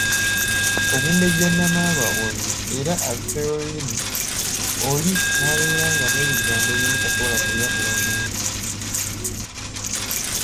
Omumbejja Nnamaalwa oyo era azitoya olulimi oli n’abeera nga n'ebigambo ebimu tasobola kubyatula bulungi.